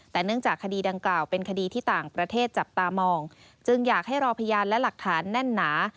แต่เนื่องจากคดีดังกล่าวเป็นคดีที่ต่างประเทศจับตามองจึงอยากให้รอพยานและหลักฐานแน่นหนา